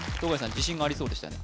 自信がありそうでしたね